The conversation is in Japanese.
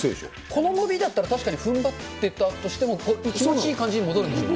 この伸びだったら、確かにふんばってたとしても気持ちいい感じに、戻るんでしょうね。